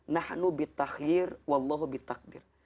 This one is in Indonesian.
na'anu bittakhir wallahu bittakbir